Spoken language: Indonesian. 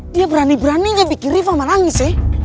dia berani beraninya bikin rifa nangis